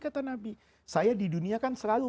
kata nabi saya di dunia kan selalu